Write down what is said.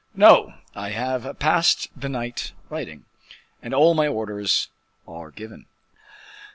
"No; I have passed the night writing, and all my orders are given."